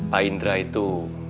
pak indra itu